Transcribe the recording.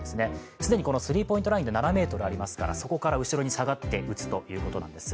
既に、このスリーポイントラインで７ｍありますからそこから後ろに下がって打つということなんです。